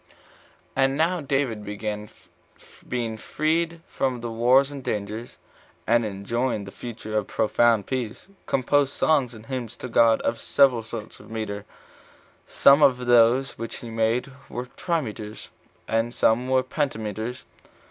3. And now David being freed from wars and dangers, and enjoying for the future a profound peace, 22 composed songs and hymns to God of several sorts of metre; some of those which he made were trimeters, and some were pentameters.